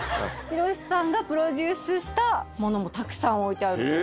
ヒロシさんがプロデュースしたものもたくさん置いてあると。